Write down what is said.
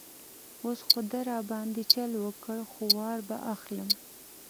اوس خو ده را باندې چل وکړ، خو وار به اخلم.